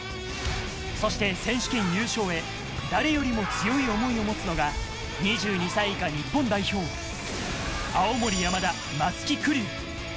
そして選手権優勝へ誰よりも強い思いをもつのが、２２歳以下日本代表・青森山田、松木玖生。